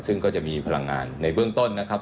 ซึ่งก็จะมีพลังงานในเบื้องต้นนะครับ